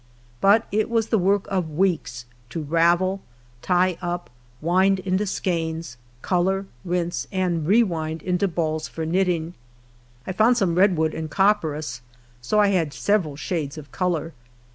But it was the work of weeks to ravel, tie up, wind into skeins, color, rinse, and rewind into balls for knitting. I found some redwood and copperas, so I had several shades of color.